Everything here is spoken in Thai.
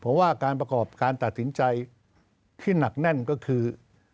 เพราะว่าการประกอบการตัดสินใจที่หนักแน่นก็คือ